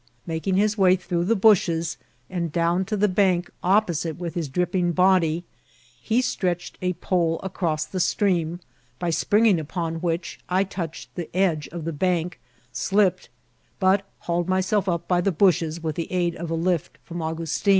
Making his way through the bushes and down to the bank opposite with his drop ping body, he stretched a pole across the stream, by quringing upon which I touched the edge of the bank, slipped, but hauled myself up by the bushes with the aid of a lift from Augustin.